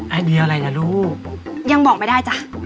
ไอเดียอะไรล่ะลูกยังบอกไม่ได้จ้ะ